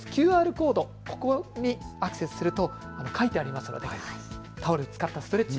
ＱＲコード、ここにアクセスすると書いてありますので、タオル、使ったストレッチ